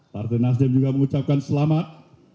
partai nasdem juga mengucapkan selamat